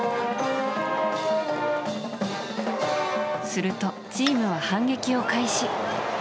するとチームは反撃を開始。